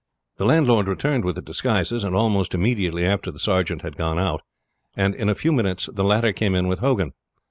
The landlord returned with the disguises almost immediately after the sergeant had gone out, and in a few minutes the latter came in with Hogan.